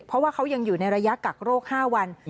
เพราะว่าเขายังอยู่ในระยะกักโรค๕วัน